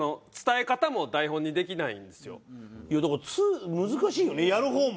だから難しいよねやる方も。